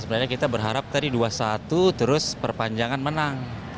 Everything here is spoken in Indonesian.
sebenarnya kita berharap tadi dua satu terus perpanjangan menang